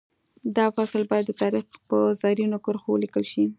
دا فصل باید د تاریخ په زرینو کرښو ولیکل شي